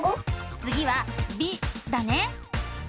つぎは「び」だね。